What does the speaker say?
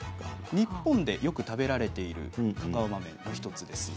日本でよく食べられているカカオ豆です。